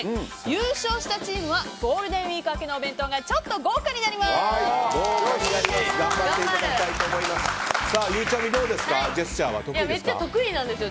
優勝したチームはゴールデンウィーク明けのお弁当がちょっと豪華になります。